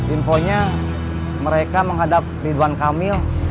infonya mereka menghadapi duan kamil